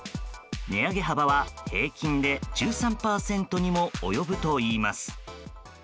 値上げ幅は平均で１３％にも及ぶといいます。